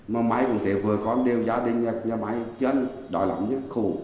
mà mai cũng thế vừa con đều gia đình nhà máy chứ ăn đói lắm nhé khổ